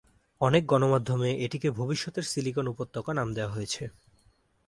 অনেক গণমাধ্যমে এটিকে ভবিষ্যতের সিলিকন উপত্যকা নাম দেওয়া হয়েছে।